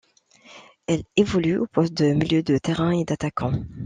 Elle évolue au poste de milieu de terrain et d'attaquant.